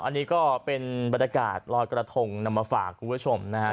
อันนี้ก็เป็นบรรยากาศลอยกระทงนำมาฝากคุณผู้ชมนะฮะ